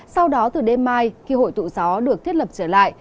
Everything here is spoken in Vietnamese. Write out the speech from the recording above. sau đó từ đêm mai khi hội tụ gió được thiết lập trở lại